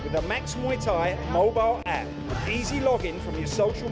มาจากเมื่อสายฟังกัน๑สัปดาห์วิทยาลัย๒๐๑๘